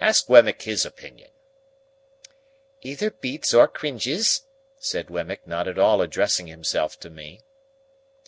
Ask Wemmick his opinion." "Either beats or cringes," said Wemmick, not at all addressing himself to me.